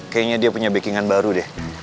kayaknya dia punya backing an baru deh